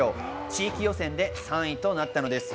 地域予選で３位となったのです。